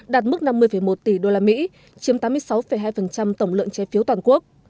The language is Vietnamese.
đạt mức năm mươi một tỷ usd chiếm tám mươi sáu hai tổng lượng trái phiếu toàn quốc